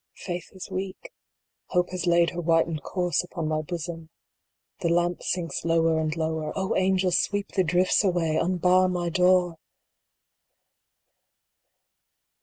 Faith is weak. Hope has laid her whitened corse upon my bosom. The lamp sinks lower and lower. O angels ! sweep the drifts away unbar my door